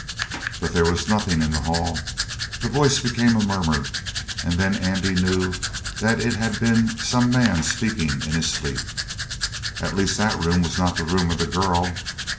But there was nothing in the hall. The voice became a murmur, and then Andy knew that it had been some man speaking in his sleep. At least that room was not the room of the girl.